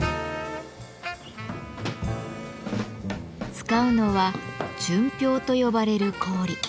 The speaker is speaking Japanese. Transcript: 使うのは「純氷」と呼ばれる氷。